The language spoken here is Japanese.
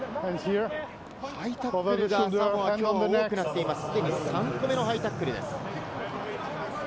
ハイタックルがサモア、多くなっています、３個目のハイタックルです。